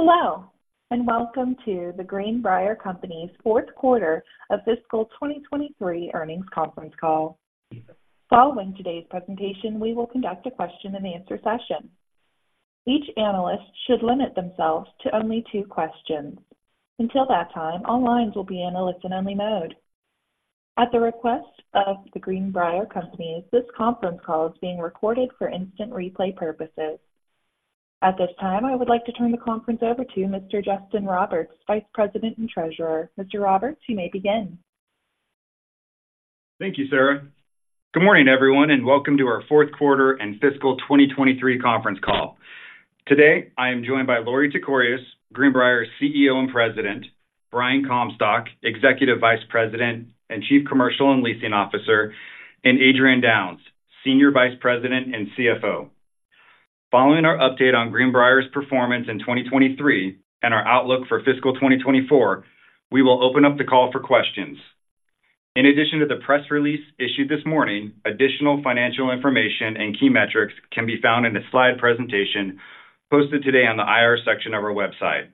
Hello, and welcome to The Greenbrier Companies' Q4 of fiscal 2023 earnings conference call. Following today's presentation, we will conduct a question-and-answer session. Each analyst should limit themselves to only two questions. Until that time, all lines will be in a listen-only mode. At the request of The Greenbrier Companies, this conference call is being recorded for instant replay purposes. At this time, I would like to turn the conference over to Mr. Justin Roberts, Vice President and Treasurer. Mr. Roberts, you may begin. Thank you, Sarah. Good morning, everyone, and welcome to our Q4 and fiscal 2023 conference call. Today, I am joined by Lorie Tekorius, Greenbrier's CEO and President, Brian Comstock, Executive Vice President and Chief Commercial and Leasing Officer, and Adrian Downes, Senior Vice President and CFO. Following our update on Greenbrier's performance in 2023 and our outlook for fiscal 2024, we will open up the call for questions. In addition to the press release issued this morning, additional financial information and key metrics can be found in a slide presentation posted today on the IR section of our website.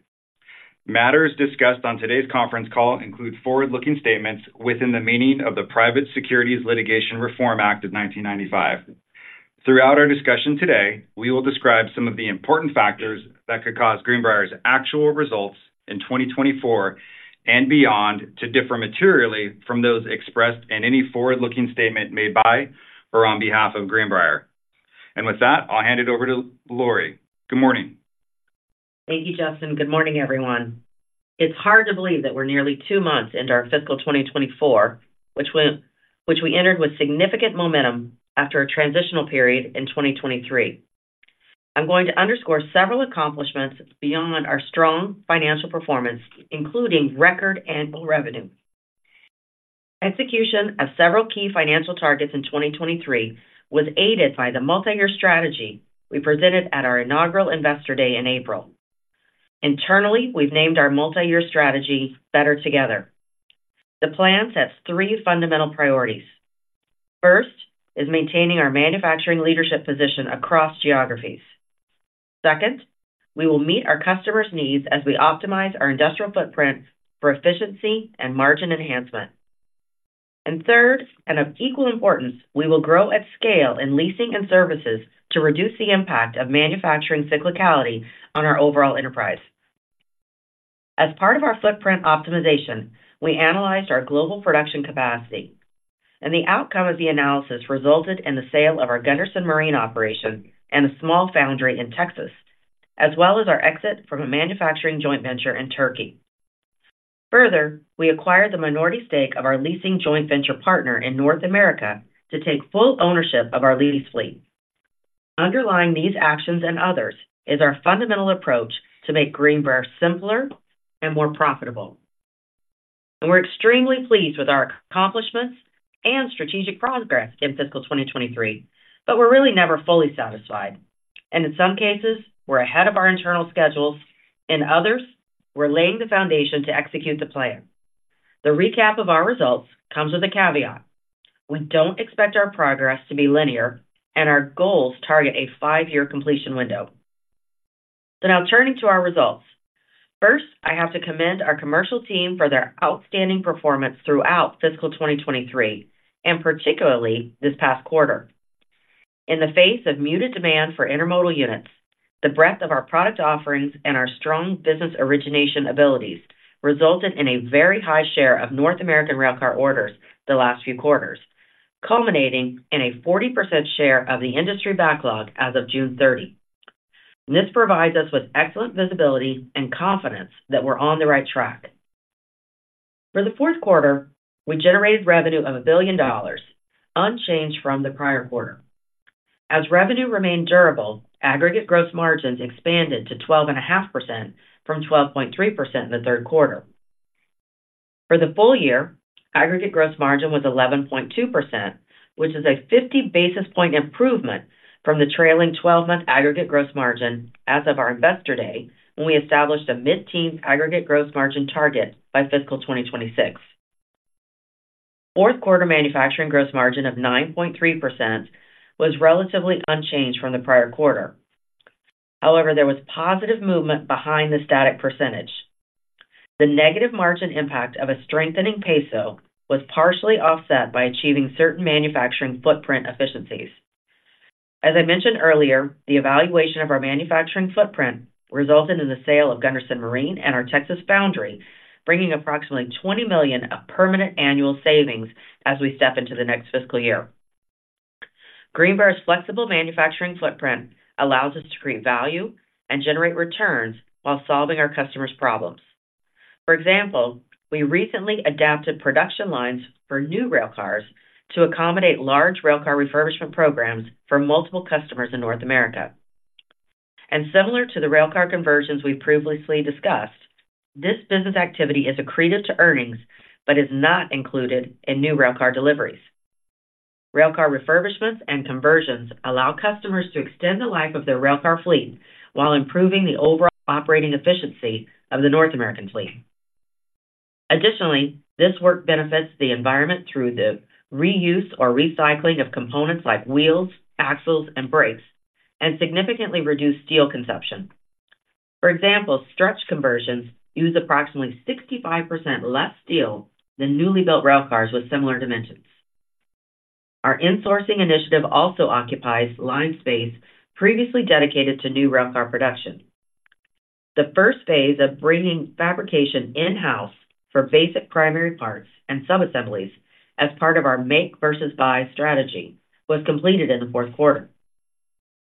Matters discussed on today's conference call include forward-looking statements within the meaning of the Private Securities Litigation Reform Act of 1995. Throughout our discussion today, we will describe some of the important factors that could cause Greenbrier's actual results in 2024 and beyond to differ materially from those expressed in any forward-looking statement made by or on behalf of Greenbrier. With that, I'll hand it over to Lori. Good morning. Thank you, Justin. Good morning, everyone. It's hard to believe that we're nearly two months into our fiscal 2024, which we, which we entered with significant momentum after a transitional period in 2023. I'm going to underscore several accomplishments beyond our strong financial performance, including record annual revenue. Execution of several key financial targets in 2023 was aided by the multi-year strategy we presented at our inaugural Investor Day in April. Internally, we've named our multi-year strategy Better Together. The plan sets three fundamental priorities. First is maintaining our manufacturing leadership position across geographies. Second, we will meet our customers' needs as we optimize our industrial footprint for efficiency and margin enhancement. And third, and of equal importance, we will grow at scale in leasing and services to reduce the impact of manufacturing cyclicality on our overall enterprise. As part of our footprint optimization, we analyzed our global production capacity, and the outcome of the analysis resulted in the sale of our Gunderson Marine operation and a small foundry in Texas, as well as our exit from a manufacturing joint venture in Turkey. Further, we acquired the minority stake of our leasing joint venture partner in North America to take full ownership of our leasing fleet. Underlying these actions and others is our fundamental approach to make Greenbrier simpler and more profitable. We're extremely pleased with our accomplishments and strategic progress in fiscal 2023, but we're really never fully satisfied, and in some cases, we're ahead of our internal schedules, and others, we're laying the foundation to execute the plan. The recap of our results comes with a caveat. We don't expect our progress to be linear, and our goals target a five year completion window. So now turning to our results. First, I have to commend our commercial team for their outstanding performance throughout fiscal 2023, and particularly this past quarter. In the face of muted demand for intermodal units, the breadth of our product offerings and our strong business origination abilities resulted in a very high share of North American railcar orders the last few quarters, culminating in a 40% share of the industry backlog as of June 30. This provides us with excellent visibility and confidence that we're on the right track. For the Q4, we generated revenue of $1 billion, unchanged from the prior quarter. As revenue remained durable, aggregate gross margins expanded to 12.5% from 12.3% in the Q3. For the full year, aggregate gross margin was 11.2%, which is a 50 basis point improvement from the trailing 12-month aggregate gross margin as of our Investor Day, when we established a mid-teens aggregate gross margin target by fiscal 2026. Q4 manufacturing gross margin of 9.3% was relatively unchanged from the prior quarter. However, there was positive movement behind the static percentage. The negative margin impact of a strengthening peso was partially offset by achieving certain manufacturing footprint efficiencies. As I mentioned earlier, the evaluation of our manufacturing footprint resulted in the sale of Gunderson Marine and our Texas foundry, bringing approximately $20 million of permanent annual savings as we step into the next fiscal year. Greenbrier's flexible manufacturing footprint allows us to create value and generate returns while solving our customers' problems. For example, we recently adapted production lines for new railcars to accommodate large railcar refurbishment programs for multiple customers in North America. Similar to the railcar conversions we previously discussed, this business activity is accretive to earnings but is not included in new railcar deliveries. Railcar refurbishments and conversions allow customers to extend the life of their railcar fleet while improving the overall operating efficiency of the North American fleet. Additionally, this work benefits the environment through the reuse or recycling of components like wheels, axles, and brakes, and significantly reduced steel consumption. For example, stretch conversions use approximately 65% less steel than newly built railcars with similar dimensions. Our insourcing initiative also occupies line space previously dedicated to new railcar production. The first phase of bringing fabrication in-house for basic primary parts and subassemblies as part of our make versus buy strategy was completed in the Q4.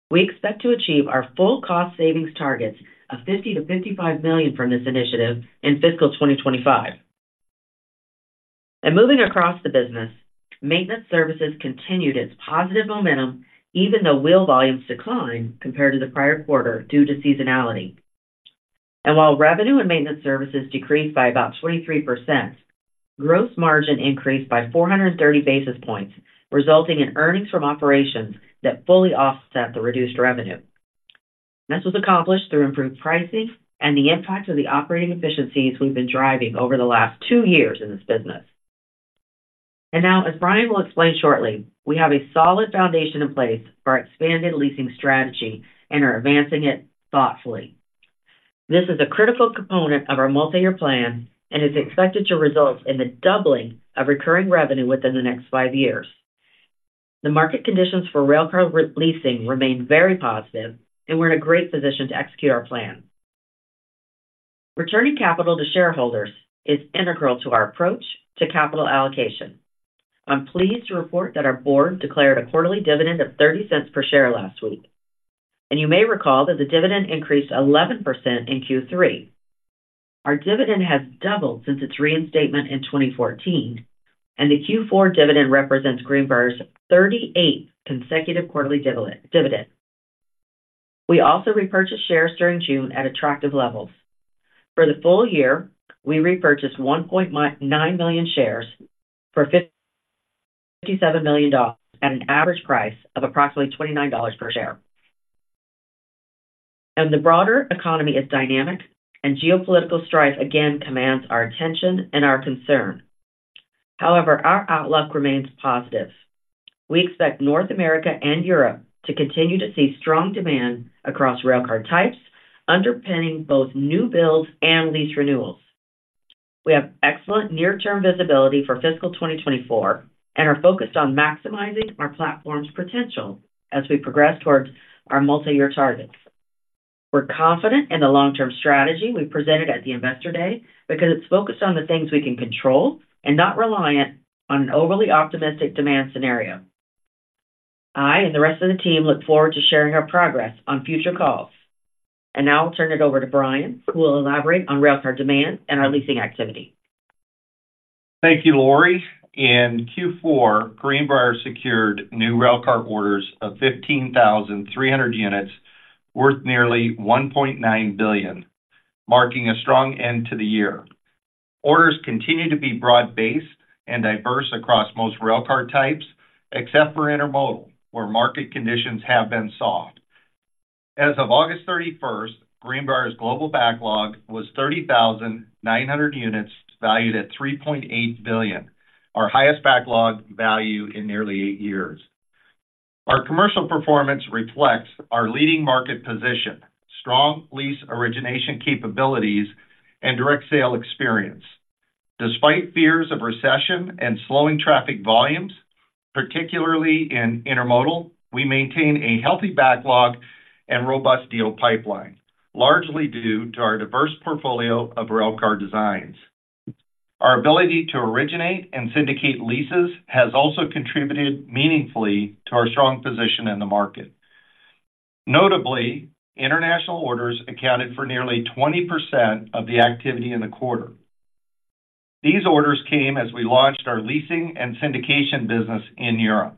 We expect to achieve our full cost savings targets of $50-55 million from this initiative in fiscal 2025. Moving across the business, maintenance services continued its positive momentum, even though wheel volumes declined compared to the prior quarter due to seasonality. While revenue and maintenance services decreased by about 23%, gross margin increased by 430 basis points, resulting in earnings from operations that fully offset the reduced revenue. This was accomplished through improved pricing and the impact of the operating efficiencies we've been driving over the last two years in this business. Now, as Brian will explain shortly, we have a solid foundation in place for our expanded leasing strategy and are advancing it thoughtfully. This is a critical component of our multi-year plan and is expected to result in the doubling of recurring revenue within the next five years. The market conditions for railcar re-leasing remain very positive, and we're in a great position to execute our plan. Returning capital to shareholders is integral to our approach to capital allocation. I'm pleased to report that our board declared a quarterly dividend of $0.30 per share last week, and you may recall that the dividend increased 11% in Q3. Our dividend has doubled since its reinstatement in 2014, and the Q4 dividend represents Greenbrier's 38 consecutive quarterly dividend. We also repurchased shares during June at attractive levels. For the full year, we repurchased 1.9 million shares for $57 million at an average price of approximately $29 per share. The broader economy is dynamic, and geopolitical strife again commands our attention and our concern. However, our outlook remains positive. We expect North America and Europe to continue to see strong demand across railcar types, underpinning both new builds and lease renewals. We have excellent near-term visibility for fiscal 2024 and are focused on maximizing our platform's potential as we progress towards our multi-year targets. We're confident in the long-term strategy we presented at the Investor Day because it's focused on the things we can control and not reliant on an overly optimistic demand scenario. I and the rest of the team look forward to sharing our progress on future calls. Now I'll turn it over to Brian, who will elaborate on railcar demand and our leasing activity. Thank you, Lorie. In Q4, Greenbrier secured new railcar orders of 15,300 units worth nearly $1.9 billion, marking a strong end to the year. Orders continue to be broad-based and diverse across most railcar types, except for intermodal, where market conditions have been soft. As of August 31, Greenbrier's global backlog was 30,900 units, valued at $3.8 billion, our highest backlog value in nearly eight years. Our commercial performance reflects our leading market position, strong lease origination capabilities, and direct sale experience. Despite fears of recession and slowing traffic volumes, particularly in intermodal, we maintain a healthy backlog and robust deal pipeline, largely due to our diverse portfolio of railcar designs. Our ability to originate and syndicate leases has also contributed meaningfully to our strong position in the market. Notably, international orders accounted for nearly 20% of the activity in the quarter. These orders came as we launched our leasing and syndication business in Europe.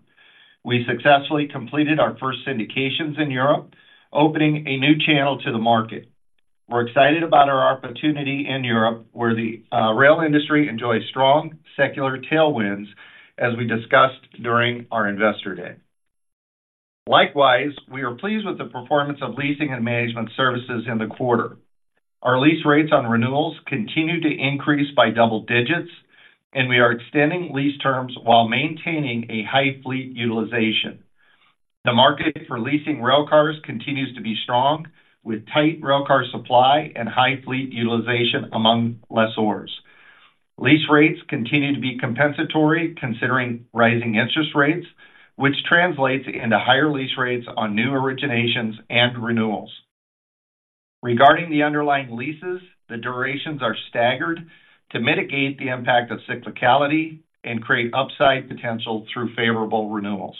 We successfully completed our first syndications in Europe, opening a new channel to the market. We're excited about our opportunity in Europe, where the rail industry enjoys strong secular tailwinds, as we discussed during our Investor Day. Likewise, we are pleased with the performance of leasing and management services in the quarter. Our lease rates on renewals continue to increase by double digits, and we are extending lease terms while maintaining a high fleet utilization. The market for leasing railcars continues to be strong, with tight railcar supply and high fleet utilization among lessors. Lease rates continue to be compensatory, considering rising interest rates, which translates into higher lease rates on new originations and renewals. Regarding the underlying leases, the durations are staggered to mitigate the impact of cyclicality and create upside potential through favorable renewals.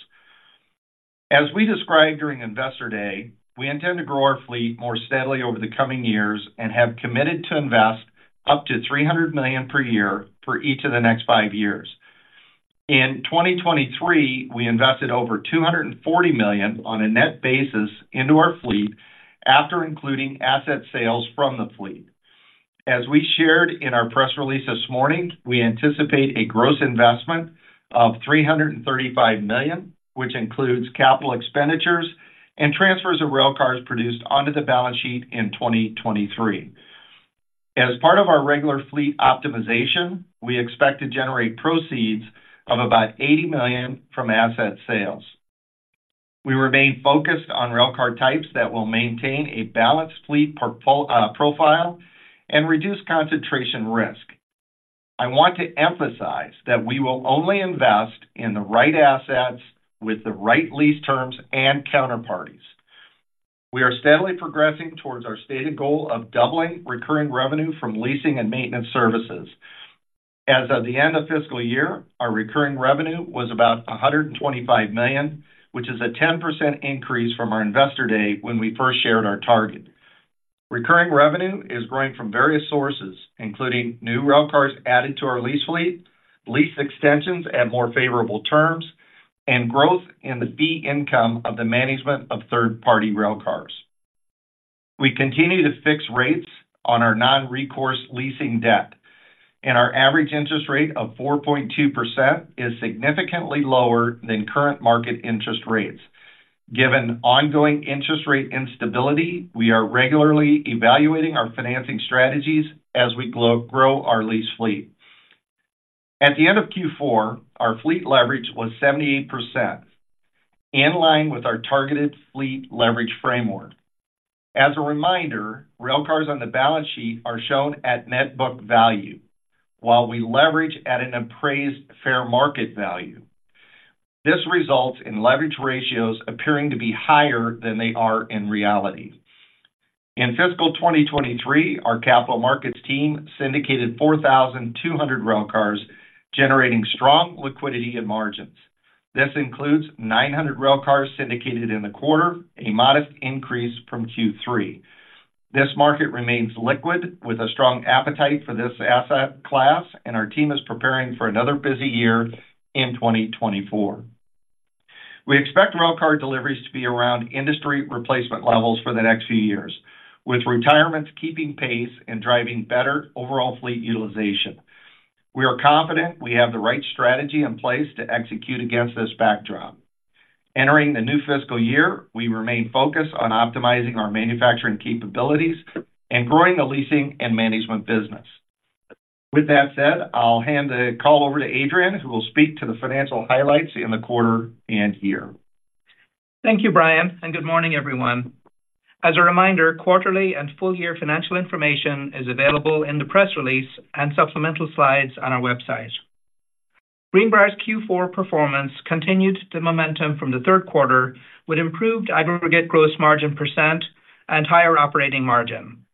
As we described during Investor Day, we intend to grow our fleet more steadily over the coming years and have committed to invest up to $300 million per year for each of the next five years. In 2023, we invested over $240 million on a net basis into our fleet, after including asset sales from the fleet. As we shared in our press release this morning, we anticipate a gross investment of $335 million, which includes capital expenditures and transfers of railcars produced onto the balance sheet in 2023. As part of our regular fleet optimization, we expect to generate proceeds of about $80 million from asset sales. We remain focused on railcar types that will maintain a balanced fleet portfolio profile and reduce concentration risk. I want to emphasize that we will only invest in the right assets with the right lease terms and counterparties. We are steadily progressing towards our stated goal of doubling recurring revenue from leasing and maintenance services. As of the end of fiscal year, our recurring revenue was about $125 million, which is a 10% increase from our investor day when we first shared our target. Recurring revenue is growing from various sources, including new rail cars added to our lease fleet, lease extensions at more favorable terms, and growth in the fee income of the management of third-party rail cars. We continue to fix rates on our non-recourse leasing debt, and our average interest rate of 4.2% is significantly lower than current market interest rates. Given ongoing interest rate instability, we are regularly evaluating our financing strategies as we grow our lease fleet. At the end of Q4, our fleet leverage was 78%, in line with our targeted fleet leverage framework. As a reminder, rail cars on the balance sheet are shown at net book value, while we leverage at an appraised fair market value. This results in leverage ratios appearing to be higher than they are in reality. In fiscal 2023, our capital markets team syndicated 4,200 rail cars, generating strong liquidity and margins. This includes 900 rail cars syndicated in the quarter, a modest increase from Q3. This market remains liquid, with a strong appetite for this asset class, and our team is preparing for another busy year in 2024. We expect rail car deliveries to be around industry replacement levels for the next few years, with retirements keeping pace and driving better overall fleet utilization. We are confident we have the right strategy in place to execute against this backdrop. Entering the new fiscal year, we remain focused on optimizing our manufacturing capabilities and growing the leasing and management business. With that said, I'll hand the call over to Adrian, who will speak to the financial highlights in the quarter and year. Thank you, Brian, and good morning, everyone. As a reminder, quarterly and full-year financial information is available in the press release and supplemental slides on our website. Greenbrier's Q4 performance continued the momentum from the Q3, with improved aggregate gross margin % and higher operating margin.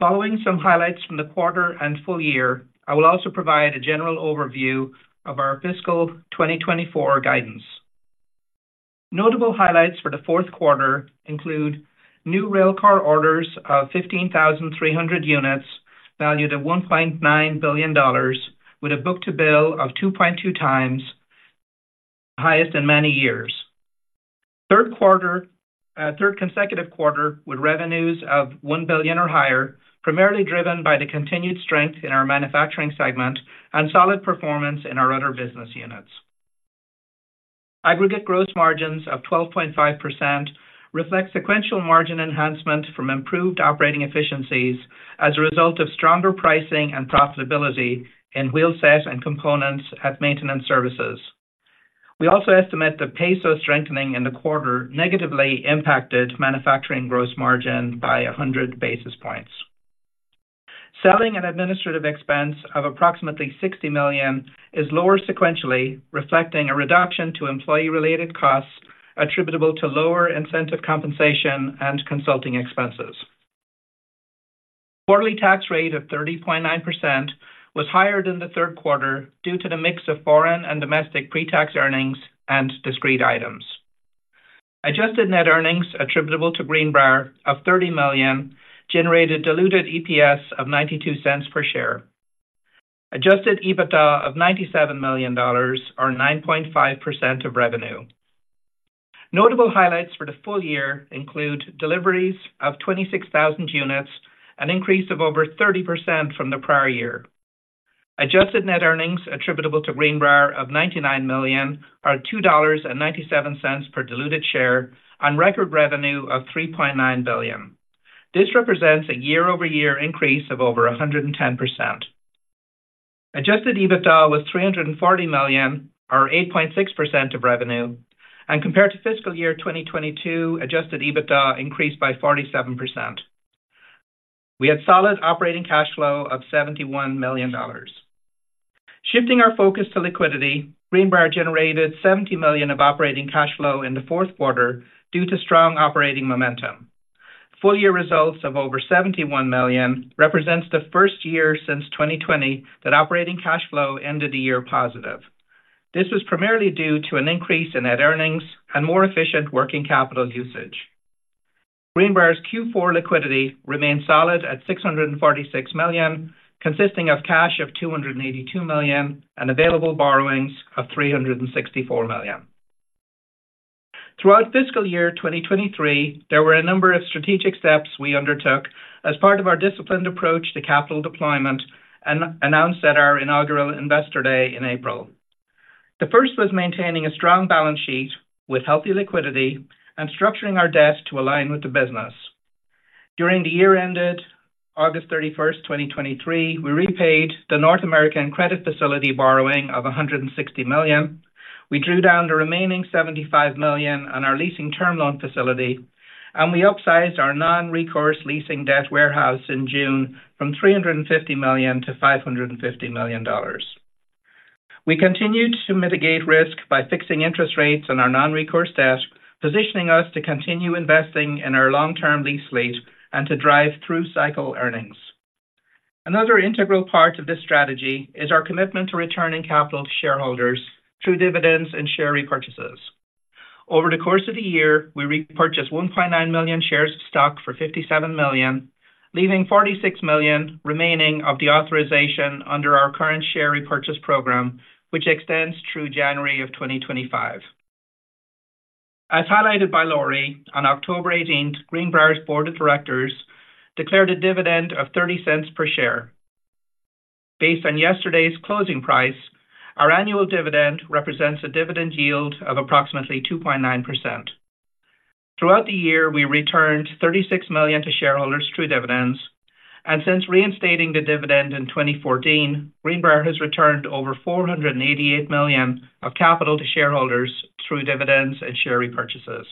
Following some highlights from the quarter and full year, I will also provide a general overview of our fiscal 2024 guidance. Notable highlights for the Q4 include new railcar orders of 15,300 units, valued at $1.9 billion, with a book-to-bill of 2.2 times, the highest in many years. Third consecutive quarter with revenues of $1 billion or higher, primarily driven by the continued strength in our manufacturing segment and solid performance in our other business units. Aggregate gross margins of 12.5% reflect sequential margin enhancement from improved operating efficiencies as a result of stronger pricing and profitability in wheel set and components at maintenance services. We also estimate the peso strengthening in the quarter negatively impacted manufacturing gross margin by 100 basis points. Selling and administrative expense of approximately $60 million is lower sequentially, reflecting a reduction to employee-related costs attributable to lower incentive compensation and consulting expenses. Quarterly tax rate of 30.9% was higher than the Q3 due to the mix of foreign and domestic pretax earnings and discrete items. Adjusted net earnings attributable to Greenbrier of $30 million generated diluted EPS of $0.92 per share. Adjusted EBITDA of $97 million or 9.5% of revenue. Notable highlights for the full year include deliveries of 26,000 units, an increase of over 30% from the prior year. Adjusted net earnings attributable to Greenbrier of $99 million are $2.97 per diluted share on record revenue of $3.9 billion. This represents a year-over-year increase of over 110%. Adjusted EBITDA was $340 million, or 8.6% of revenue, and compared to fiscal year 2022, adjusted EBITDA increased by 47%. We had solid operating cash flow of $71 million. Shifting our focus to liquidity, Greenbrier generated $70 million of operating cash flow in the Q4 due to strong operating momentum. Full year results of over $71 million represents the first year since 2020 that operating cash flow ended the year positive. This was primarily due to an increase in net earnings and more efficient working capital usage. Greenbrier's Q4 liquidity remains solid at $646 million, consisting of cash of $282 million and available borrowings of $364 million. Throughout fiscal year 2023, there were a number of strategic steps we undertook as part of our disciplined approach to capital deployment and announced at our inaugural Investor Day in April. The first was maintaining a strong balance sheet with healthy liquidity and structuring our debt to align with the business. During the year ended August 31, 2023, we repaid the North American credit facility borrowing of $160 million. We drew down the remaining $75 million on our leasing term loan facility, and we upsized our non-recourse leasing debt warehouse in June from $350 million to $550 million. We continued to mitigate risk by fixing interest rates on our non-recourse debt, positioning us to continue investing in our long-term lease fleet and to drive through cycle earnings. Another integral part of this strategy is our commitment to returning capital to shareholders through dividends and share repurchases. Over the course of the year, we repurchased 1.9 million shares of stock for $57 million, leaving $46 million remaining of the authorization under our current share repurchase program, which extends through January 2025. As highlighted by Lorie, on October 18, Greenbrier's board of directors declared a dividend of $0.30 per share. Based on yesterday's closing price, our annual dividend represents a dividend yield of approximately 2.9%. Throughout the year, we returned $36 million to shareholders through dividends, and since reinstating the dividend in 2014, Greenbrier has returned over $488 million of capital to shareholders through dividends and share repurchases.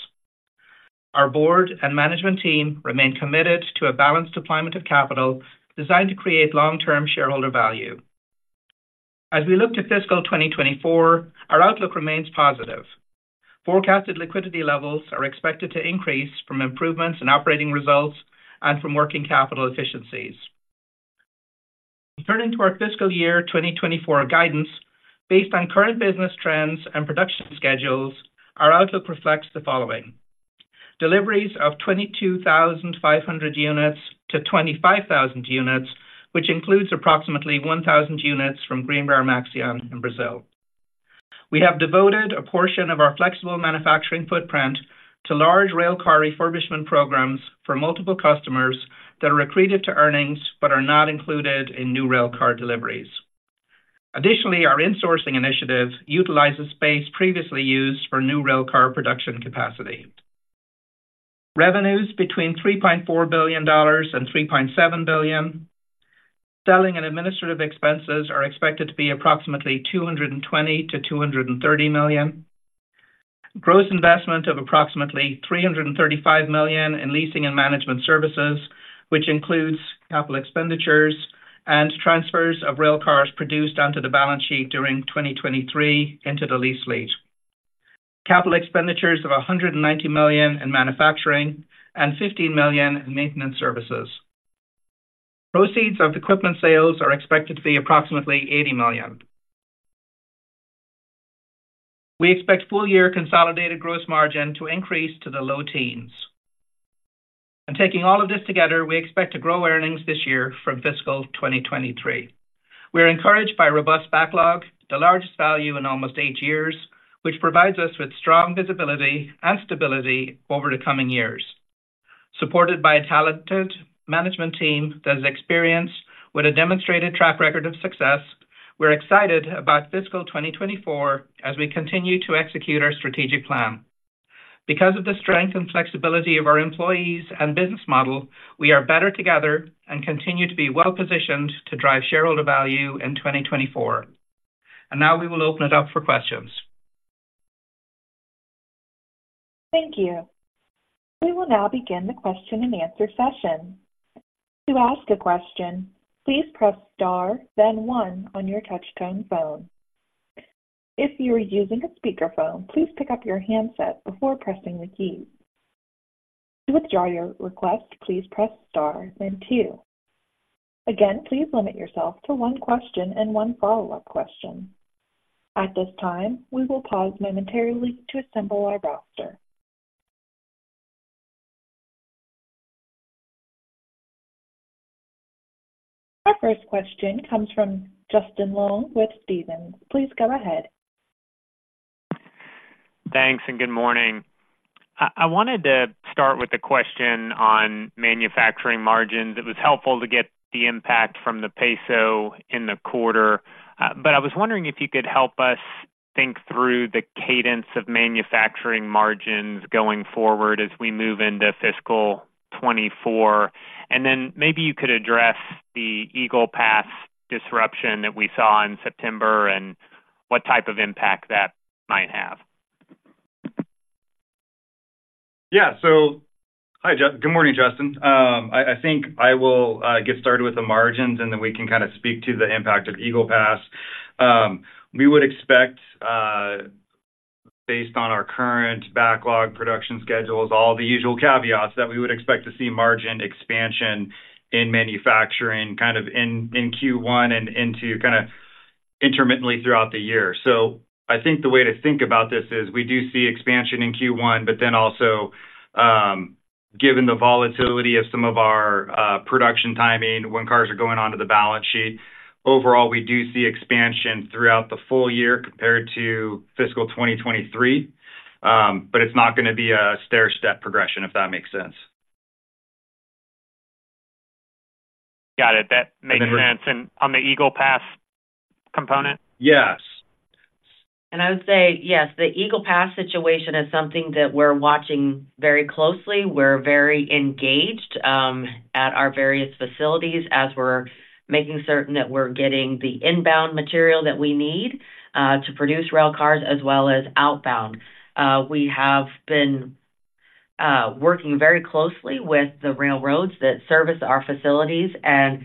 Our board and management team remain committed to a balanced deployment of capital designed to create long-term shareholder value. As we look to fiscal 2024, our outlook remains positive. Forecasted liquidity levels are expected to increase from improvements in operating results and from working capital efficiencies. Turning to our fiscal year 2024 guidance, based on current business trends and production schedules, our outlook reflects the following: deliveries of 22,500 units-25,000 units, which includes approximately 1,000 units from Greenbrier Maxion in Brazil. We have devoted a portion of our flexible manufacturing footprint to large railcar refurbishment programs for multiple customers that are accreted to earnings but are not included in new railcar deliveries. Additionally, our insourcing initiative utilizes space previously used for new railcar production capacity. Revenues between $3.4 billion and $3.7 billion. Selling and administrative expenses are expected to be approximately $220 million-$230 million. Gross investment of approximately $335 million in leasing and management services, which includes capital expenditures and transfers of railcars produced onto the balance sheet during 2023 into the lease fleet. Capital expenditures of $190 million in manufacturing and $15 million in maintenance services. Proceeds of equipment sales are expected to be approximately $80 million. We expect full-year consolidated gross margin to increase to the low teens. Taking all of this together, we expect to grow earnings this year from fiscal 2023. We are encouraged by robust backlog, the largest value in almost eight years, which provides us with strong visibility and stability over the coming years. Supported by a talented management team that is experienced with a demonstrated track record of success, we're excited about fiscal 2024 as we continue to execute our strategic plan. Because of the strength and flexibility of our employees and business model, we are better together and continue to be well-positioned to drive shareholder value in 2024. And now we will open it up for questions. Thank you. We will now begin the question-and-answer session. To ask a question, please press Star, then One on your touchtone phone. If you are using a speakerphone, please pick up your handset before pressing the key. To withdraw your request, please press Star, then Two. Again, please limit yourself to one question and one follow-up question. At this time, we will pause momentarily to assemble our roster. Our first question comes from Justin Long with Stephens. Please go ahead. Thanks and good morning. I, I wanted to start with a question on manufacturing margins. It was helpful to get the impact from the peso in the quarter, but I was wondering if you could help us think through the cadence of manufacturing margins going forward as we move into fiscal 2024. And then maybe you could address the Eagle Pass disruption that we saw in September and what type of impact that might have. Yeah. So hi, Justin. Good morning, Justin. I think I will get started with the margins, and then we can kind of speak to the impact of Eagle Pass. We would expect, based on our current backlog production schedules, all the usual caveats, that we would expect to see margin expansion in manufacturing kind of in Q1 and into kind of intermittently throughout the year. So I think the way to think about this is we do see expansion in Q1, but then also, given the volatility of some of our production timing, when cars are going onto the balance sheet, overall, we do see expansion throughout the full year compared to fiscal 2023. But it's not going to be a stairstep progression, if that makes sense. Got it. That makes sense. On the Eagle Pass component? Yes. I would say, yes, the Eagle Pass situation is something that we're watching very closely. We're very engaged at our various facilities as we're making certain that we're getting the inbound material that we need to produce rail cars as well as outbound. We have been working very closely with the railroads that service our facilities, and,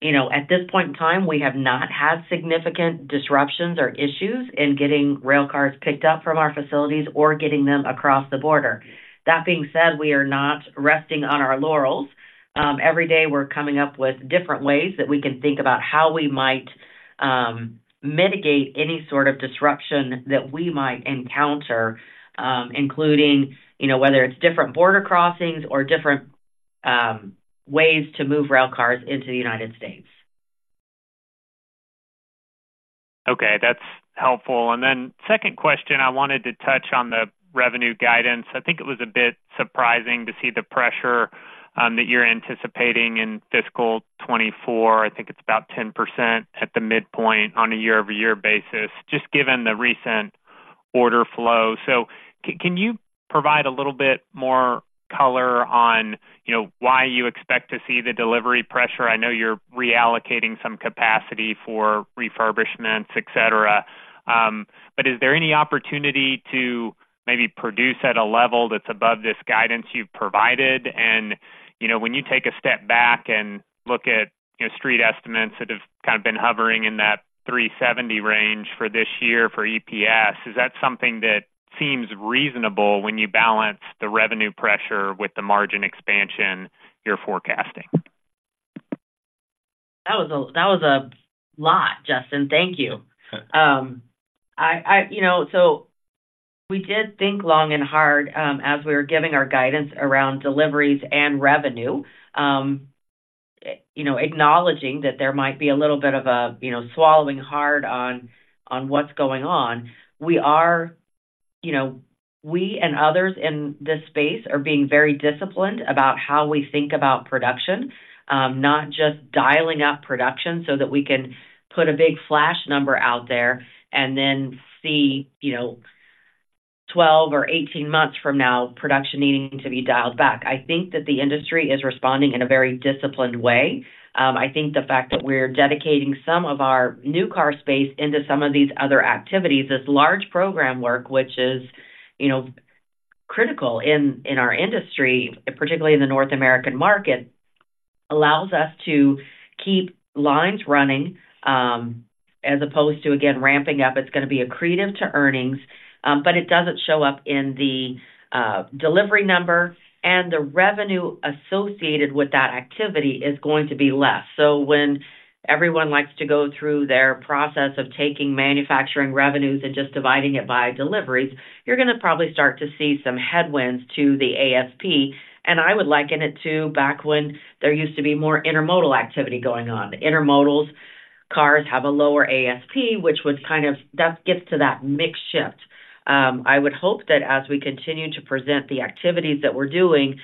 you know, at this point in time, we have not had significant disruptions or issues in getting rail cars picked up from our facilities or getting them across the border. That being said, we are not resting on our laurels. Every day, we're coming up with different ways that we can think about how we might mitigate any sort of disruption that we might encounter, including, you know, whether it's different border crossings or different ways to move rail cars into the United States. Okay, that's helpful. Then second question, I wanted to touch on the revenue guidance. I think it was a bit surprising to see the pressure that you're anticipating in fiscal 2024. I think it's about 10% at the midpoint on a year-over-year basis, just given the recent order flow. So can you provide a little bit more color on, you know, why you expect to see the delivery pressure? I know you're reallocating some capacity for refurbishments, et cetera, but is there any opportunity to maybe produce at a level that's above this guidance you've provided? And, you know, when you take a step back and look at, you know, street estimates that have kind of been hovering in that $3.70 range for this year for EPS, is that something that seems reasonable when you balance the revenue pressure with the margin expansion you're forecasting? That was a lot, Justin. Thank you. I, You know, so we did think long and hard as we were giving our guidance around deliveries and revenue, you know, acknowledging that there might be a little bit of a, you know, swallowing hard on what's going on. We are, you know, we and others in this space are being very disciplined about how we think about production, not just dialing up production so that we can put a big flash number out there and then see, you know, 12 or 18 months from now, production needing to be dialed back. I think that the industry is responding in a very disciplined way. I think the fact that we're dedicating some of our new car space into some of these other activities, this large program work, which is, you know, critical in our industry, particularly in the North American market, allows us to keep lines running, as opposed to, again, ramping up. It's going to be accretive to earnings, but it doesn't show up in the delivery number, and the revenue associated with that activity is going to be less. So when everyone likes to go through their process of taking manufacturing revenues and just dividing it by deliveries, you're going to probably start to see some headwinds to the ASP, and I would liken it to back when there used to be more intermodal activity going on. Intermodal cars have a lower ASP, which was kind of that gets to that mix shift. I would hope that as we continue to present the activities that we're doing,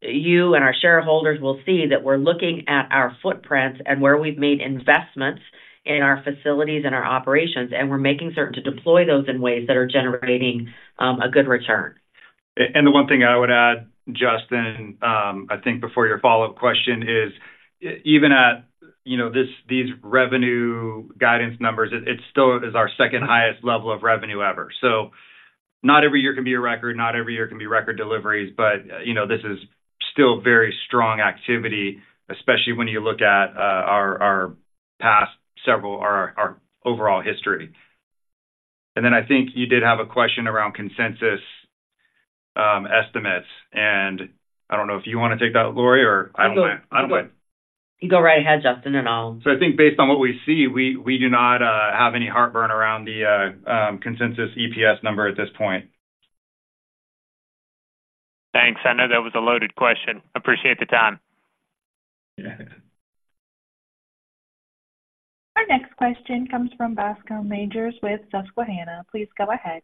you and our shareholders will see that we're looking at our footprints and where we've made investments in our facilities and our operations, and we're making certain to deploy those in ways that are generating a good return. And the one thing I would add, Justin, I think before your follow-up question, is even at, you know, these revenue guidance numbers, it still is our second highest level of revenue ever. So not every year can be a record, not every year can be record deliveries, but, you know, this is still very strong activity, especially when you look at our past several, our overall history. And then I think you did have a question around consensus estimates, and I don't know if you want to take that, Lori, or I don't mind. I don't mind. You go right ahead, Justin, and I'll So I think based on what we see, we do not have any heartburn around the consensus EPS number at this point. Thanks. I know that was a loaded question. Appreciate the time. Yeah. Our next question comes from Bascome Majors with Susquehanna. Please go ahead.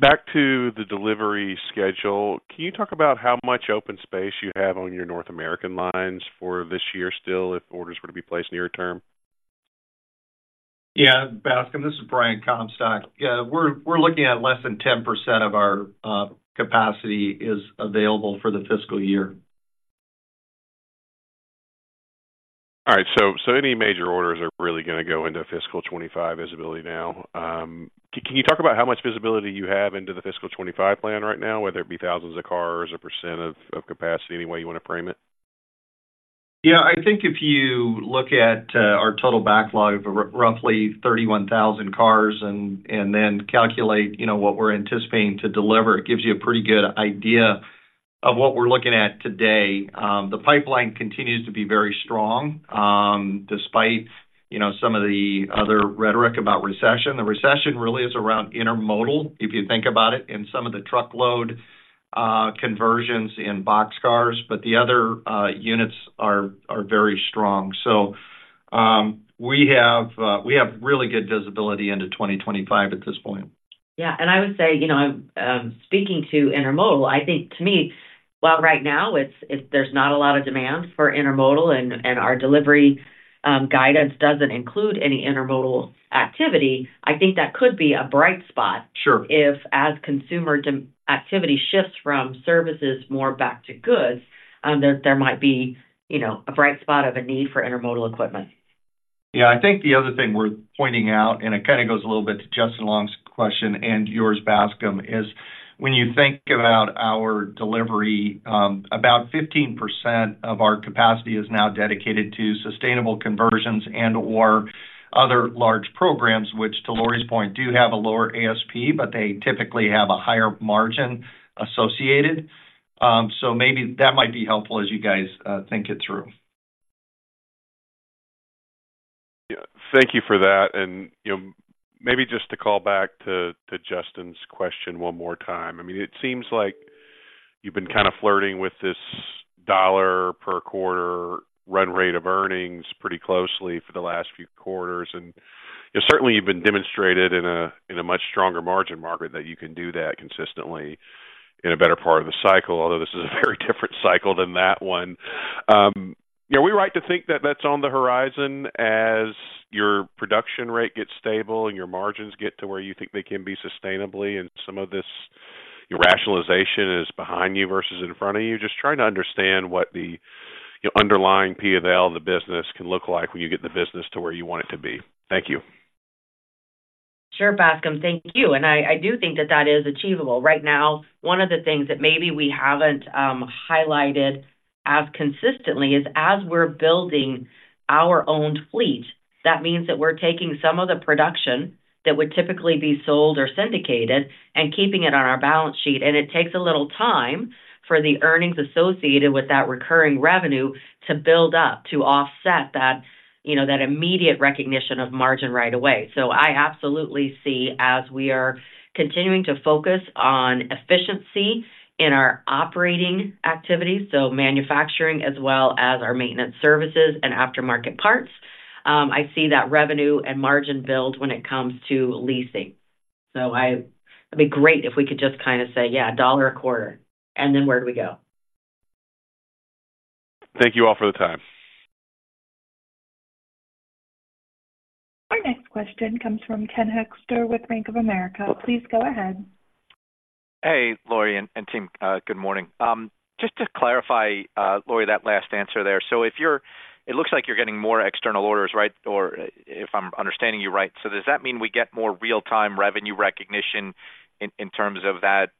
Back to the delivery schedule, can you talk about how much open space you have on your North American lines for this year still, if orders were to be placed near term? Yeah, Bascome, this is Brian Comstock. Yeah, we're looking at less than 10% of our capacity is available for the fiscal year. All right. So any major orders are really going to go into fiscal 25 visibility now. Can you talk about how much visibility you have into the fiscal 25 plan right now, whether it be thousands of cars or % of capacity, any way you want to frame it? Yeah. I think if you look at our total backlog of roughly 31,000 cars and then calculate, you know, what we're anticipating to deliver, it gives you a pretty good idea of what we're looking at today. The pipeline continues to be very strong despite, you know, some of the other rhetoric about recession. The recession really is around intermodal, if you think about it, and some of the truckload conversions in boxcars, but the other units are very strong. So, we have really good visibility into 2025 at this point. Yeah, and I would say, you know, speaking to intermodal, I think to me, while right now there's not a lot of demand for intermodal, and our delivery guidance doesn't include any intermodal activity. I think that could be a bright spot. Sure. If, as consumer demand activity shifts from services more back to goods, there might be, you know, a bright spot of a need for intermodal equipment. Yeah, I think the other thing worth pointing out, and it kind of goes a little bit to Justin Long's question and yours, Bascome, is when you think about our delivery, about 15% of our capacity is now dedicated to sustainable conversions and or other large programs, which, to Lori's point, do have a lower ASP, but they typically have a higher margin associated. So maybe that might be helpful as you guys, think it through. Yeah. Thank you for that. You know, maybe just to call back to Justin's question one more time. I mean, it seems like you've been kind of flirting with this $1 per quarter run rate of earnings pretty closely for the last few quarters, and certainly, you've demonstrated in a much stronger margin market that you can do that consistently in a better part of the cycle, although this is a very different cycle than that one. Are we right to think that that's on the horizon as your production rate gets stable and your margins get to where you think they can be sustainably, and some of this rationalization is behind you versus in front of you? Just trying to understand what the underlying P&L of the business can look like when you get the business to where you want it to be. Thank you. Sure, Bascome. Thank you. And I do think that that is achievable. Right now, one of the things that maybe we haven't highlighted as consistently is as we're building our own fleet, that means that we're taking some of the production that would typically be sold or syndicated and keeping it on our balance sheet, and it takes a little time for the earnings associated with that recurring revenue to build up, to offset that, you know, that immediate recognition of margin right away. So I absolutely see as we are continuing to focus on efficiency in our operating activities, so manufacturing as well as our maintenance services and aftermarket parts, I see that revenue and margin build when it comes to leasing. So, it'd be great if we could just kind of say, "Yeah, a dollar a quarter, and then where do we go? Thank you all for the time. Our next question comes from Ken Hoexter with Bank of America. Please go ahead. Hey, Lorie and team. Good morning. Just to clarify, Lorie, that last answer there. So if you're, it looks like you're getting more external orders, right? Or if I'm understanding you right. So does that mean we get more real-time revenue recognition in terms of that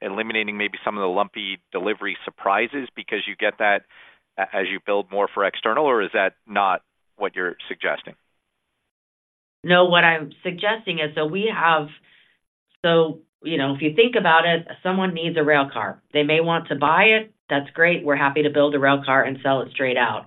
eliminating maybe some of the lumpy delivery surprises because you get that as you build more for external, or is that not what you're suggesting? No, what I'm suggesting is, so we have. So, you know, if you think about it, someone needs a rail car. They may want to buy it. That's great. We're happy to build a rail car and sell it straight out.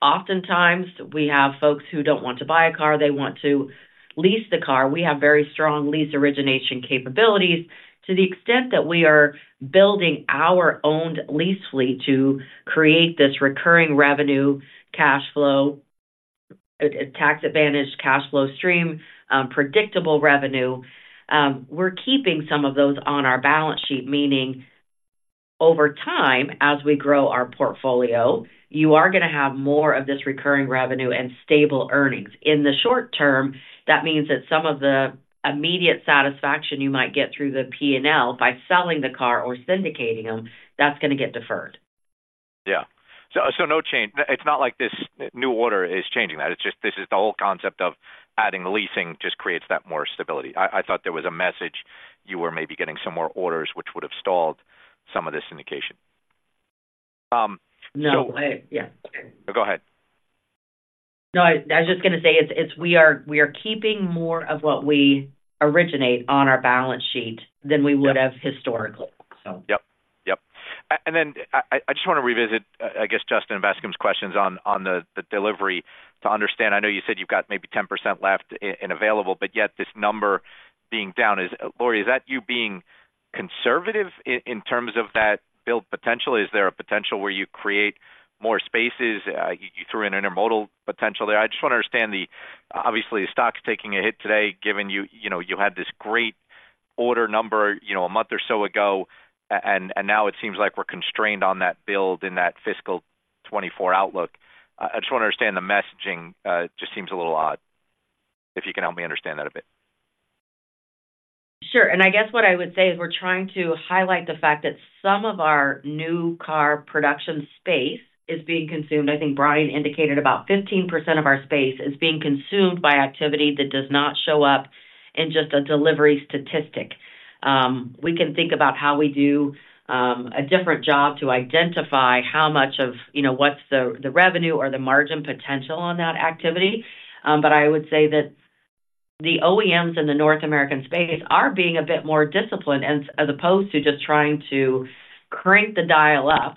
Oftentimes, we have folks who don't want to buy a car, they want to lease the car. We have very strong lease origination capabilities to the extent that we are building our own lease fleet to create this recurring revenue, cash flow, tax-advantaged, cash flow stream, predictable revenue. We're keeping some of those on our balance sheet, meaning over time, as we grow our portfolio, you are going to have more of this recurring revenue and stable earnings. In the short term, that means that some of the immediate satisfaction you might get through the P&L by selling the car or syndicating them, that's going to get deferred. Yeah. So, no change. It's not like this new order is changing that. It's just, this is the whole concept of adding leasing just creates that more stability. I thought there was a message you were maybe getting some more orders, which would have stalled some of this syndication. So- No, I, Yeah. Go ahead. No, I was just going to say we are keeping more of what we originate on our balance sheet Yep. than we would have historically, so. Yep. Yep. And then I just want to revisit, I guess, Bascome Majors's questions on the delivery to understand. I know you said you've got maybe 10% left and available, but yet this number being down. Is, Lori, is that you being conservative in terms of that build potential? Is there a potential where you create more spaces? You threw in intermodal potential there. I just want to understand the, obviously, the stock's taking a hit today, given you, you know, you had this great order number, you know, a month or so ago, and now it seems like we're constrained on that build in that fiscal 2024 outlook. I just want to understand the messaging. Just seems a little odd, if you can help me understand that a bit. Sure. And I guess what I would say is we're trying to highlight the fact that some of our new car production space is being consumed. I think Brian indicated about 15% of our space is being consumed by activity that does not show up in just a delivery statistic. We can think about how we do a different job to identify how much of, you know, what's the, the revenue or the margin potential on that activity. But I would say that the OEMs in the North American space are being a bit more disciplined as, as opposed to just trying to crank the dial up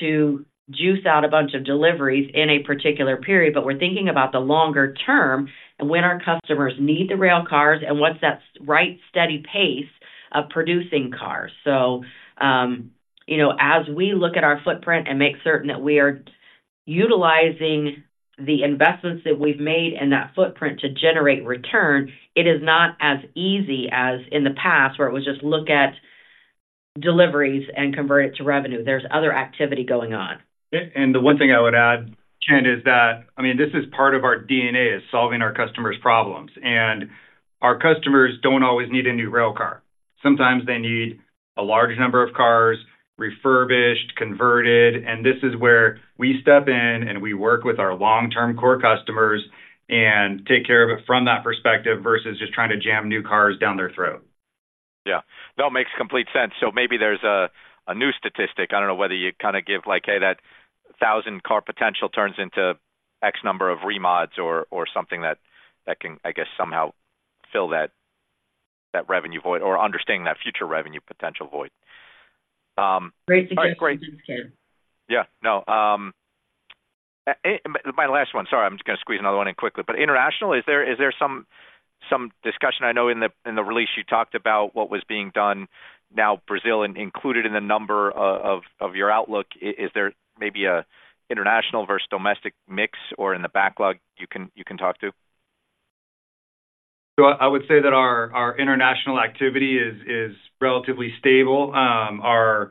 to juice out a bunch of deliveries in a particular period. But we're thinking about the longer term and when our customers need the rail cars, and what's that right steady pace of producing cars? You know, as we look at our footprint and make certain that we are utilizing the investments that we've made in that footprint to generate return, it is not as easy as in the past, where it was just look at deliveries and convert it to revenue. There's other activity going on. The one thing I would add, Ken, is that, I mean, this is part of our DNA, is solving our customers' problems. Our customers don't always need a new railcar. Sometimes they need a large number of cars refurbished, converted, and this is where we step in, and we work with our long-term core customers and take care of it from that perspective, versus just trying to jam new cars down their throat. Yeah. No, it makes complete sense. So maybe there's a new statistic. I don't know whether you kind of give, like, hey, that 1,000 car potential turns into X number of remodels or something that can, I guess, somehow fill that revenue void or understanding that future revenue potential void. Great suggestion. Yeah. No, my last one. Sorry, I'm just gonna squeeze another one in quickly. But international, is there some discussion? I know in the release you talked about what was being done. Now, Brazil included in the number of your outlook. Is there maybe an international versus domestic mix or in the backlog you can talk to? So I would say that our international activity is relatively stable. Our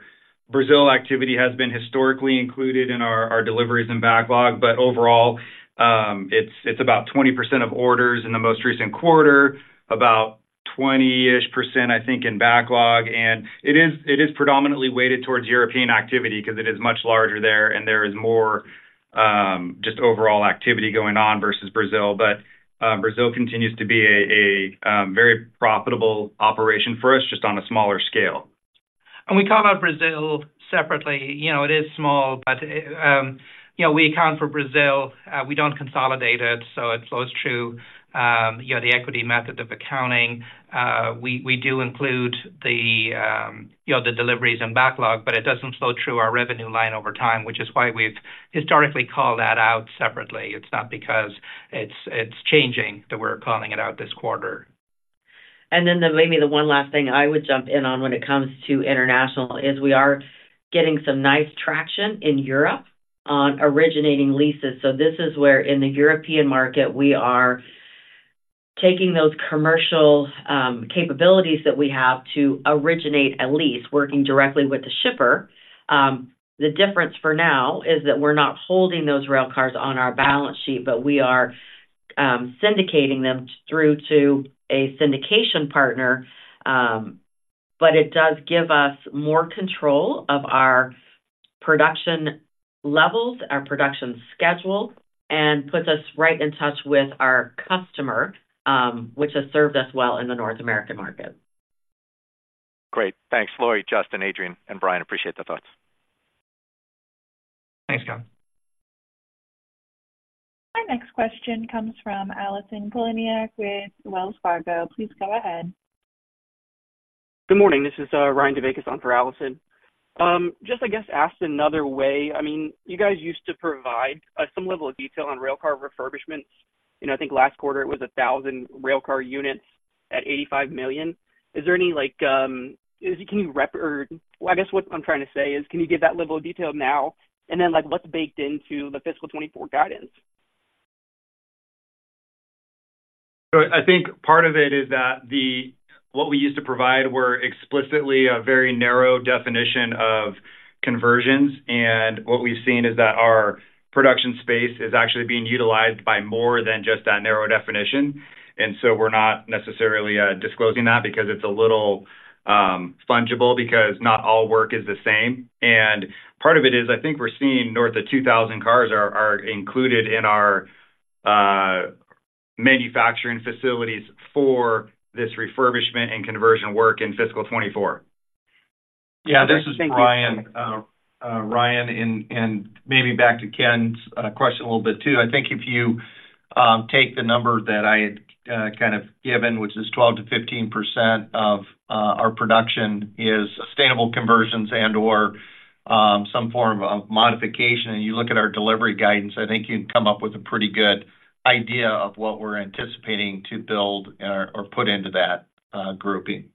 Brazil activity has been historically included in our deliveries and backlog, but overall, it's about 20% of orders in the most recent quarter, about 20-ish%, I think, in backlog. And it is predominantly weighted towards European activity because it is much larger there and there is more just overall activity going on versus Brazil. But Brazil continues to be a very profitable operation for us, just on a smaller scale. We call out Brazil separately. You know, it is small, but, you know, we account for Brazil. We don't consolidate it, so it flows through, you know, the equity method of accounting. We do include the, you know, the deliveries and backlog, but it doesn't flow through our revenue line over time, which is why we've historically called that out separately. It's not because it's changing that we're calling it out this quarter. And then maybe the one last thing I would jump in on when it comes to international is we are getting some nice traction in Europe on originating leases. So this is where, in the European market, we are taking those commercial capabilities that we have to originate a lease, working directly with the shipper. The difference for now is that we're not holding those railcars on our balance sheet, but we are syndicating them through to a syndication partner. But it does give us more control of our production levels, our production schedule, and puts us right in touch with our customer, which has served us well in the North American market. Great. Thanks, Lori, Justin, Adrian, and Brian. Appreciate the thoughts. Thanks, Ken. Our next question comes from Allison Poliniak with Wells Fargo. Please go ahead. Good morning. This is Ryan DeBakey on for Allison. Just, I guess, asked another way. I mean, you guys used to provide some level of detail on railcar refurbishments, and I think last quarter it was 1,000 railcar units at $85 million. Is there any like, can you rep? Well, I guess what I'm trying to say is, can you give that level of detail now? And then, like, what's baked into the fiscal 2024 guidance? So I think part of it is that the, what we used to provide were explicitly a very narrow definition of conversions, and what we've seen is that our production space is actually being utilized by more than just that narrow definition. And so we're not necessarily disclosing that because it's a little fungible, because not all work is the same. And part of it is, I think we're seeing north of 2,000 cars are included in our manufacturing facilities for this refurbishment and conversion work in fiscal 2024. Yeah, this is Brian. Ryan, and maybe back to Ken's question a little bit too. I think if you take the number that I had kind of given, which is 12%-15% of our production is sustainable conversions and/or some form of modification, and you look at our delivery guidance, I think you'd come up with a pretty good idea of what we're anticipating to build or put into that grouping.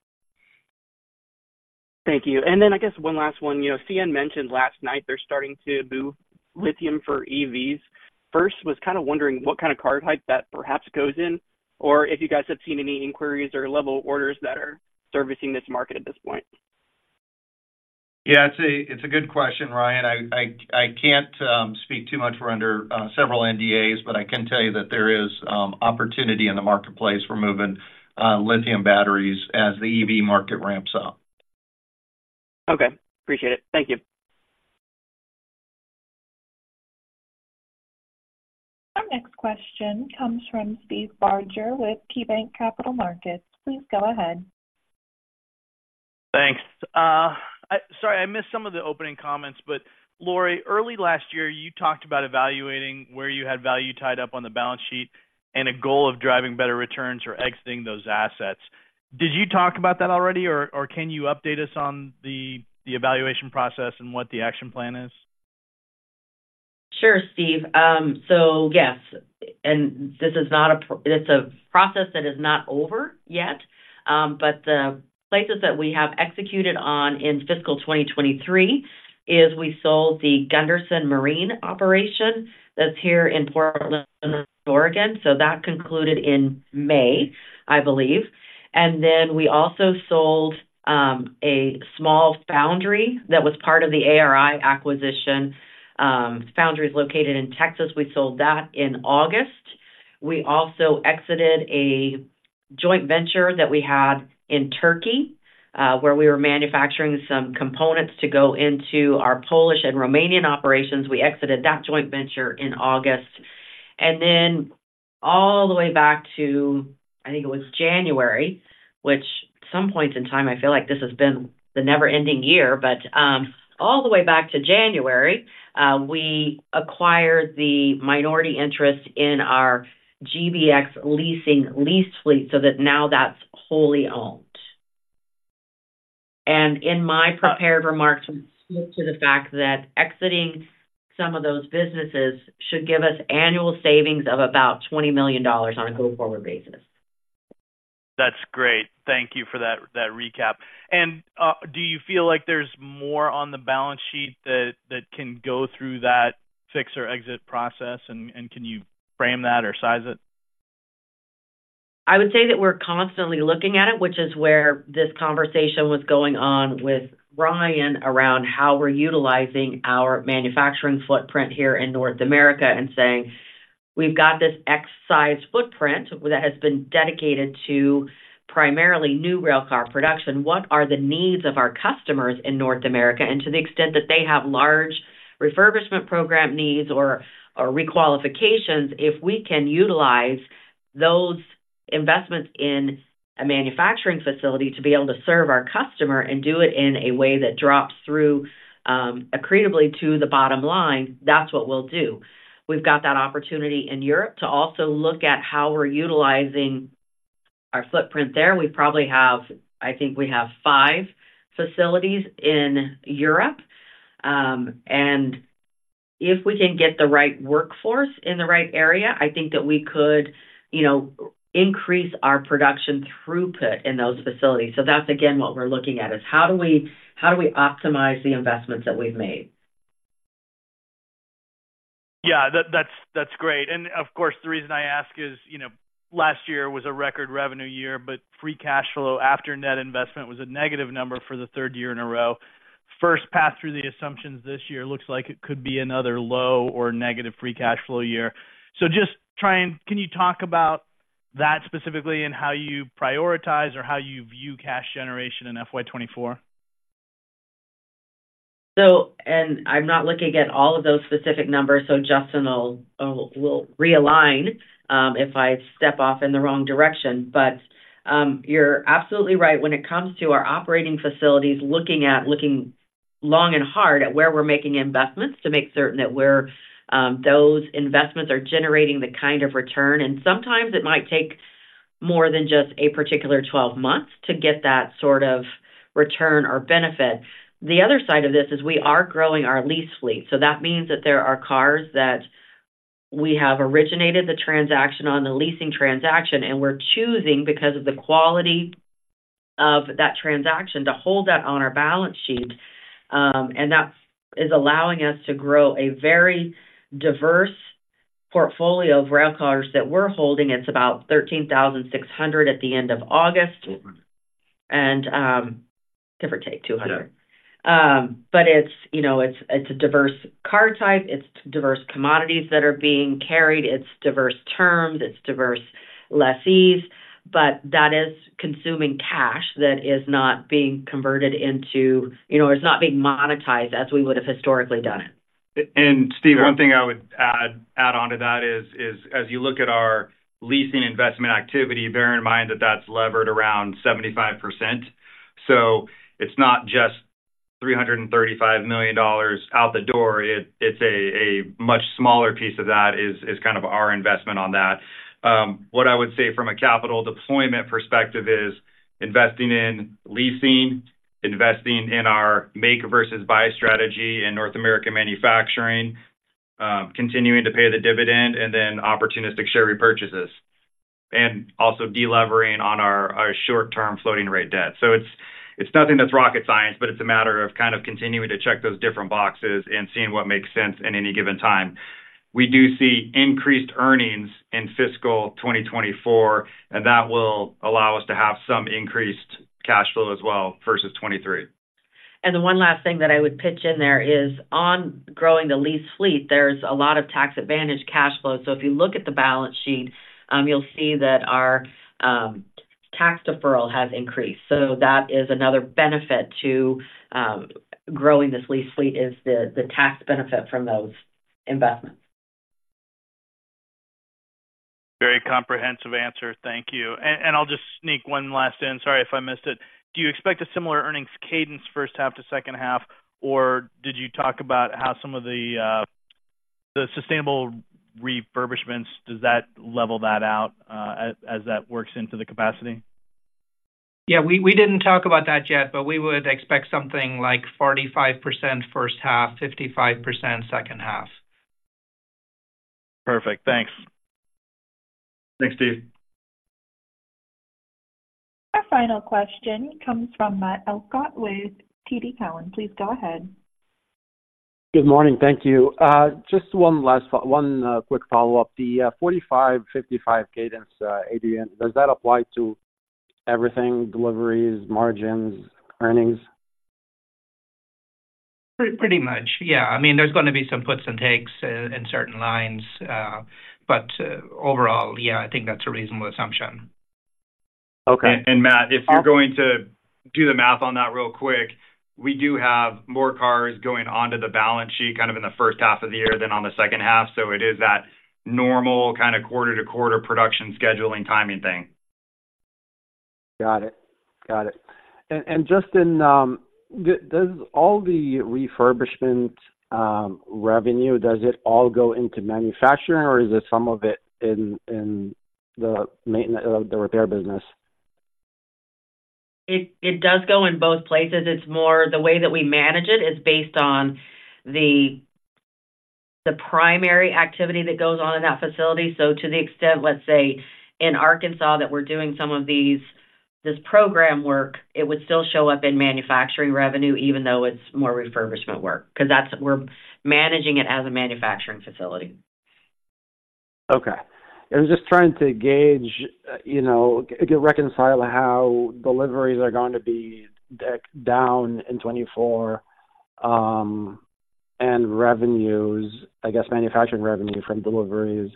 Thank you. And then I guess one last one. You know, CN mentioned last night they're starting to move lithium for EVs. First, was kind of wondering what kind of car type that perhaps goes in, or if you guys have seen any inquiries or level orders that are servicing this market at this point. Yeah, it's a good question, Ryan. I can't speak too much. We're under several NDAs, but I can tell you that there is opportunity in the marketplace for moving lithium batteries as the EV market ramps up. Okay, appreciate it. Thank you. Our next question comes from Steve Barger with KeyBanc Capital Markets. Please go ahead. Thanks. Sorry, I missed some of the opening comments, but Lorie, early last year, you talked about evaluating where you had value tied up on the balance sheet and a goal of driving better returns or exiting those assets. Did you talk about that already, or can you update us on the evaluation process and what the action plan is? Sure, Steve. So yes, and this is not. It's a process that is not over yet. But the places that we have executed on in fiscal 2023 is we sold the Gunderson Marine operation that's here in Portland, Oregon. So that concluded in May, I believe. And then we also sold a small foundry that was part of the ARI acquisition. Foundry is located in Texas. We sold that in August. We also exited a joint venture that we had in Turkey, where we were manufacturing some components to go into our Polish and Romanian operations. We exited that joint venture in August. Then all the way back to, I think it was January, which at some point in time, I feel like this has been the never-ending year, but, all the way back to January, we acquired the minority interest in our GBX Leasing lease fleet, so that now that's wholly owned. In my prepared remarks, to the fact that exiting some of those businesses should give us annual savings of about $20 million on a go-forward basis. That's great. Thank you for that recap. Do you feel like there's more on the balance sheet that can go through that fix or exit process? And can you frame that or size it? I would say that we're constantly looking at it, which is where this conversation was going on with Ryan around how we're utilizing our manufacturing footprint here in North America and saying, "We've got this X-size footprint that has been dedicated to primarily new railcar production. What are the needs of our customers in North America?" And to the extent that they have large refurbishment program needs or requalifications, if we can utilize those investments in a manufacturing facility to be able to serve our customer and do it in a way that drops through accretively to the bottom line, that's what we'll do. We've got that opportunity in Europe to also look at how we're utilizing our footprint there. We probably have. I think we have five facilities in Europe. If we can get the right workforce in the right area, I think that we could, you know, increase our production throughput in those facilities. So that's, again, what we're looking at: how do we optimize the investments that we've made? Yeah, that's great. And, of course, the reason I ask is, you know, last year was a record revenue year, but free cash flow after net investment was a negative number for the third year in a row. First pass through the assumptions this year looks like it could be another low or negative free cash flow year. So just try and can you talk about that specifically and how you prioritize or how you view cash generation in FY 2024? I'm not looking at all of those specific numbers, so Justin will realign if I step off in the wrong direction. But you're absolutely right. When it comes to our operating facilities, looking long and hard at where we're making investments, to make certain that we're those investments are generating the kind of return, and sometimes it might take more than just a particular 12 months to get that sort of return or benefit. The other side of this is we are growing our lease fleet, so that means that there are cars that we have originated the transaction on the leasing transaction, and we're choosing, because of the quality of that transaction, to hold that on our balance sheet. And that is allowing us to grow a very diverse portfolio of railcars that we're holding. It's about 13,600 at the end of August, and, give or take 200. But it's, you know, it's, it's a diverse car type, it's diverse commodities that are being carried, it's diverse terms, it's diverse lessees, but that is consuming cash that is not being converted into... You know, it's not being monetized as we would have historically done it. Steve, one thing I would add on to that is as you look at our leasing investment activity, bear in mind that that's levered around 75%. So it's not just $335 million out the door. It's a much smaller piece of that is kind of our investment on that. What I would say from a capital deployment perspective is investing in leasing, investing in our make versus buy strategy in North American manufacturing, continuing to pay the dividend, and then opportunistic share repurchases, and also delevering on our short-term floating rate debt. So it's nothing that's rocket science, but it's a matter of kind of continuing to check those different boxes and seeing what makes sense at any given time. We do see increased earnings in fiscal 2024, and that will allow us to have some increased cash flow as well versus 2023. The one last thing that I would pitch in there is on growing the lease fleet, there's a lot of tax advantage cash flow. So if you look at the balance sheet, you'll see that our tax deferral has increased. So that is another benefit to growing this lease fleet, is the tax benefit from those investments. Very comprehensive answer. Thank you. And I'll just sneak one last in. Sorry if I missed it. Do you expect a similar earnings cadence first half to second half, or did you talk about how some of the sustainable refurbishments does that level that out, as that works into the capacity? Yeah, we didn't talk about that yet, but we would expect something like 45% H1, 55% H2. Perfect. Thanks. Thanks, Steve. Our final question comes from Matt Elkott with TD Cowen. Please go ahead. Good morning. Thank you. Just one last follow-up. The 45, 55 cadence, AD, does that apply to everything, deliveries, margins, earnings? Pretty much, yeah. I mean, there's gonna be some puts and takes in certain lines, but overall, yeah, I think that's a reasonable assumption. Okay. Matt, if you're going to do the math on that real quick, we do have more cars going onto the balance sheet kind of in the H1 of the year than on the H2, so it is that normal kind of quarter-to-quarter production scheduling timing thing. Got it. Got it. And, Justin, does all the refurbishment revenue go into manufacturing, or is some of it in the maintenance, the repair business? It does go in both places. It's more the way that we manage it is based on the primary activity that goes on in that facility. So to the extent, let's say, in Arkansas, that we're doing some of these, this program work, it would still show up in manufacturing revenue, even though it's more refurbishment work, 'cause that's, we're managing it as a manufacturing facility. Okay. I was just trying to gauge, you know, reconcile how deliveries are going to be deck down in 2024, and revenues, I guess manufacturing revenue from deliveries,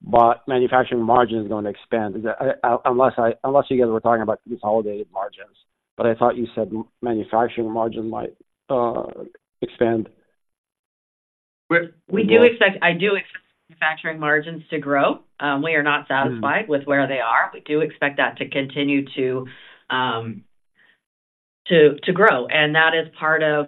but manufacturing margins are going to expand. Is that unless I, unless you guys were talking about consolidated margins, but I thought you said manufacturing margin might expand. I do expect manufacturing margins to grow. We are not satisfied with where they are. We do expect that to continue to grow, and that is part of,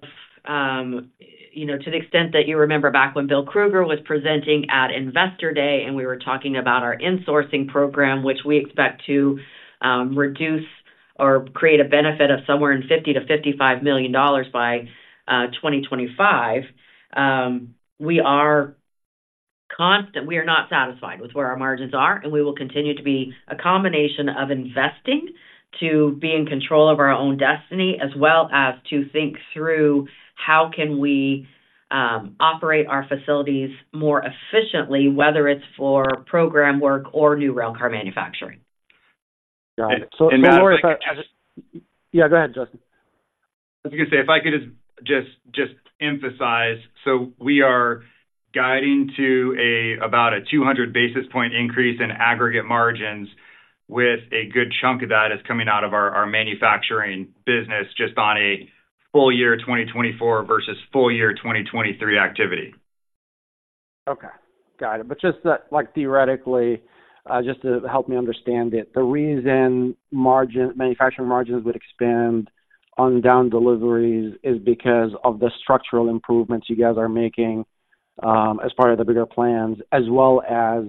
you know, to the extent that you remember back when Bill Krueger was presenting at Investor Day, and we were talking about our insourcing program, which we expect to reduce or create a benefit of somewhere in $50-$55 million by 2025. We are not satisfied with where our margins are, and we will continue to be a combination of investing to be in control of our own destiny, as well as to think through how can we operate our facilities more efficiently, whether it's for program work or new railcar manufacturing. Got it. And Matt Yeah, go ahead, Justin. I was gonna say, if I could just emphasize. So we are guiding to about a 200 basis point increase in aggregate margins, with a good chunk of that coming out of our manufacturing business, just on a full year 2024 versus full year 2023 activity. Okay. Got it. But just, like, theoretically, just to help me understand it, the reason margin, manufacturing margins would expand on down deliveries is because of the structural improvements you guys are making, as part of the bigger plans, as well as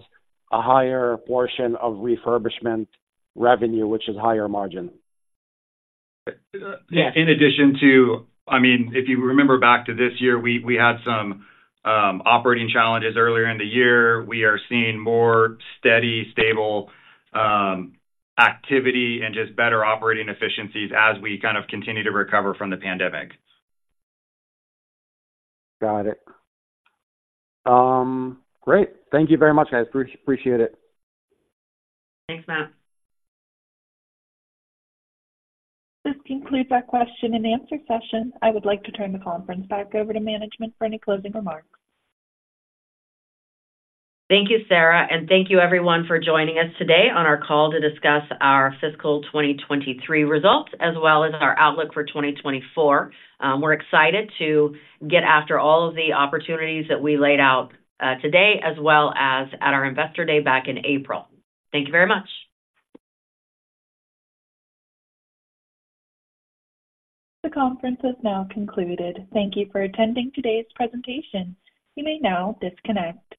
a higher portion of refurbishment revenue, which is higher margin? Yes. In addition to, I mean, if you remember back to this year, we had some operating challenges earlier in the year. We are seeing more steady, stable activity and just better operating efficiencies as we kind of continue to recover from the pandemic. Got it. Great. Thank you very much, guys. Appreciate it. Thanks, Matt. This concludes our question-and-answer session. I would like to turn the conference back over to management for any closing remarks. Thank you, Sarah, and thank you everyone for joining us today on our call to discuss our fiscal 2023 results, as well as our outlook for 2024. We're excited to get after all of the opportunities that we laid out, today, as well as at our Investor Day back in April. Thank you very much. The conference is now concluded. Thank you for attending today's presentation. You may now disconnect.